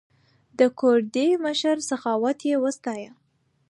د کوردي مشر سخاوت یې وستایه.